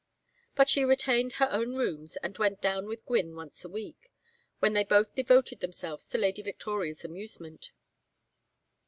But she retained her own rooms and went down with Gwynne once a week, when they both devoted themselves to Lady Victoria's amusement.